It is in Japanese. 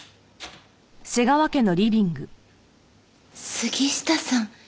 杉下さん。